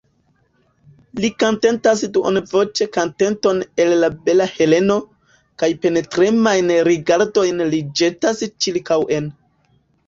Li kantetas duonvoĉe kanteton el La Bela Heleno, kaj penetremajn rigardojn li ĵetas ĉirkaŭen.